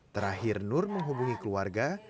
terakhir nur menghubungi keluarga